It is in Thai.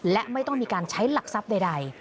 และไม่ต้องมีการใช้หลักทรัพย์ใด